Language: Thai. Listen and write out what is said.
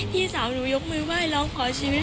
พี่สาวหนูยกมือไหว้ร้องขอชีวิต